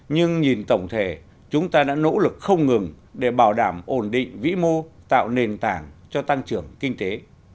nhưng nhìn tổng thể chúng ta đã nỗ lực không ngừng để bảo đảm ổn định vĩ mô tạo nền tảng cho tăng trưởng kinh tế